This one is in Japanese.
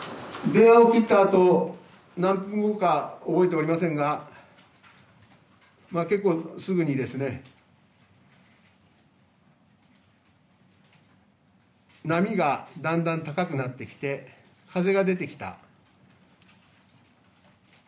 電話を切ったあと、何分後か覚えておりませんが、結構、すぐにですね、波がだんだん高くなってきて、風が出てきた。